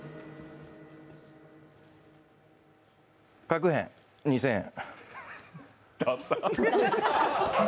確変２０００円。